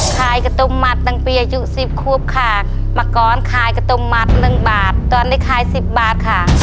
ขายกระตุ้มมัดตั้งเปรียยุ๑๐ควบค่ะมาก่อนขายกระตุ้มมัด๑บาทตอนนี้ขาย๑๐บาทค่ะ